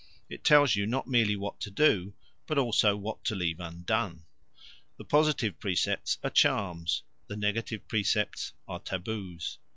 It tells you not merely what to do, but also what to leave undone. The positive precepts are charms: the negative precepts are taboos.